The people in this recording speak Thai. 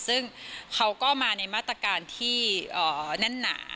ซึ่งเขาก็มาในมาตรการที่แน่นหนา